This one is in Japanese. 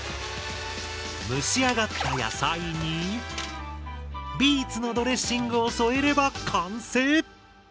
蒸し上がった野菜にビーツのドレッシングを添えれば完成！